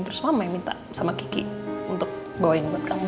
terus mama yang minta sama kiki untuk bawain buat kamu